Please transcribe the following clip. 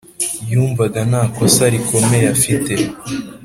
yumvaga nta kosa rikomeye afite